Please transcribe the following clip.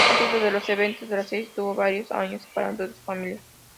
Antes de los eventos de la serie, estuvo varios años separado de su familia.